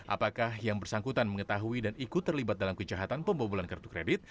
apakah yang bersangkutan mengetahui dan ikut terlibat dalam kejahatan pembobolan kartu kredit